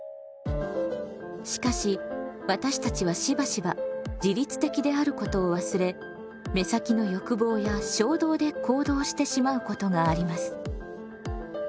しかし私たちはしばしば自律的であることを忘れ目先の欲望や衝動で行動してしまうことがあります。